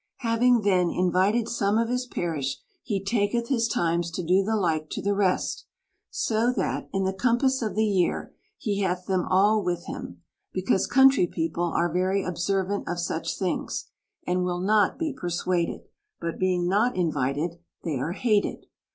Having then invited some of his parish, he taketh his times to do the like to the rest ; so that, in the compass of the year, he hath them all with him : because country people are very observant of such things ; and will not be persuaded, but being not invited, they are hated.